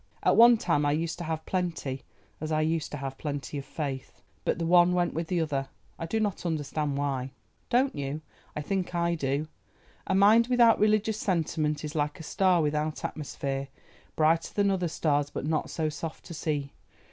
At one time I used to have plenty, as I used to have plenty of faith, but the one went with the other, I do not understand why." "Don't you? I think I do. A mind without religious sentiment is like a star without atmosphere, brighter than other stars but not so soft to see.